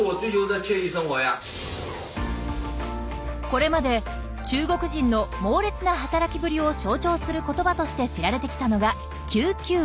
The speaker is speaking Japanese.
これまで中国人の猛烈な働きぶりを象徴する言葉として知られてきたのが「９９６」。